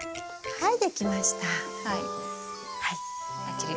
はい。